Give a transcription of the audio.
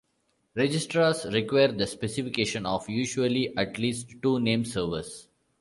Registrars require the specification of usually at least two name servers.